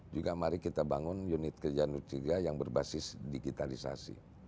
juga mari kita bangun unit kerjaan utiga yang berbasis digitalisasi